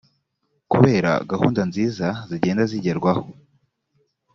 kubera gahunda nziza zigenda zigerwaho